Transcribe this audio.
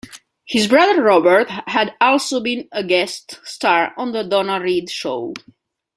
His brother Robert had also been a guest star on "The Donna Reed Show".